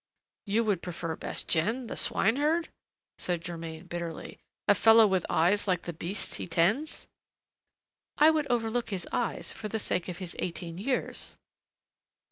"You would prefer Bastien the swineherd?" said Germain bitterly. "A fellow with eyes like the beasts he tends!" "I would overlook his eyes for the sake of his eighteen years."